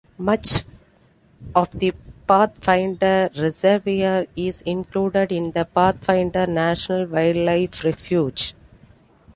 Much of the Pathfinder Reservoir is included in the Pathfinder National Wildlife Refuge.